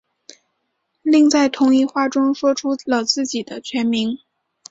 另在同一话中说出了自己全名。